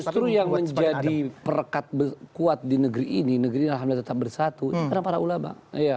justru yang menjadi perekat kuat di negeri ini negeri ini alhamdulillah tetap bersatu itu karena para ulama